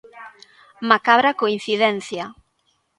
Macabra coincidencia.